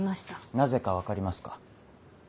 なぜか分かりますか？